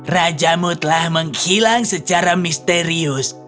rajamu telah menghilang secara misterius